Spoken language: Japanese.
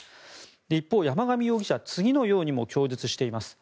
一方、山上容疑者は次のようにも供述しています。